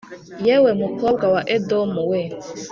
Yewe mukobwa wa Edomu we,